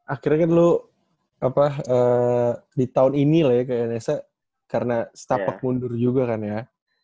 akhirnya kan lo apa di tahun ini lah ya ke nsa karena setapak mundur juga kan ya